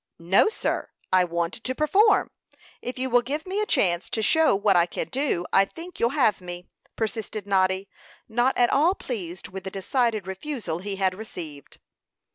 "No, sir; I want to perform. If you will give me a chance to show what I can do, I think you'll have me," persisted Noddy, not at all pleased with the decided refusal he had received.